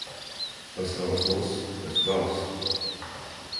Was raus muss, muss raus.